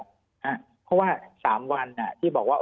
เพราะว่าสามวันนี่ที่บอกว่า